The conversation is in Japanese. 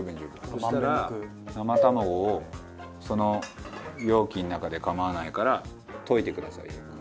そしたら生卵をその容器の中で構わないから溶いてくださいよく。